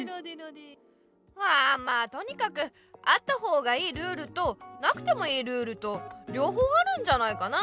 まあとにかくあった方がいいルールとなくてもいいルールとりょう方あるんじゃないかな。